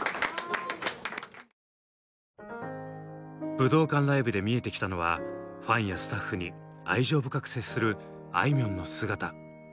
武道館ライブで見えてきたのはファンやスタッフに愛情深く接するあいみょんの姿。